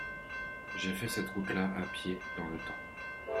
J'ai fait cette route-là, à pied, dans le temps.